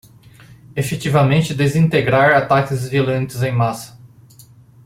Efetivamente desintegrar ataques violentos em massa